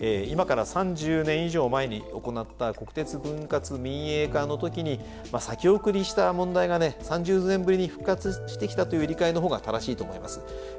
今から３０年以上前に行った国鉄分割民営化の時に先送りした問題がね３０年ぶりに復活してきたという理解の方が正しいと思います。